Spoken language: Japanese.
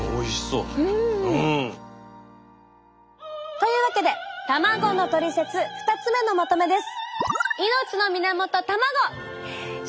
うん！というわけで「たまご」のトリセツ２つ目のまとめです！